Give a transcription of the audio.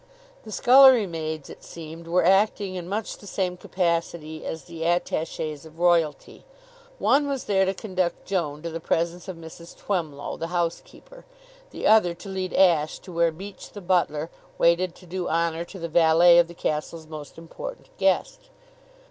The scullery maids, it seemed, were acting in much the same capacity as the attaches of royalty. One was there to conduct Joan to the presence of Mrs. Twemlow, the housekeeper; the other to lead Ashe to where Beach, the butler, waited to do honor to the valet of the castle's most important guest.